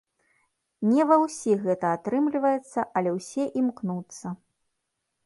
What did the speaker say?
Не ва ўсіх гэта атрымліваецца, але ўсе імкнуцца.